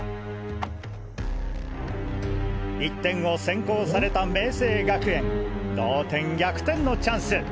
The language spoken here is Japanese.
１点を先行された明青学園同点逆転のチャンス！